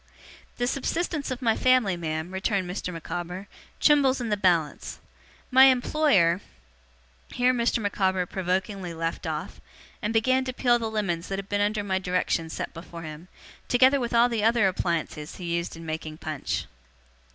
'The subsistence of my family, ma'am,' returned Mr. Micawber, 'trembles in the balance. My employer ' Here Mr. Micawber provokingly left off; and began to peel the lemons that had been under my directions set before him, together with all the other appliances he used in making punch.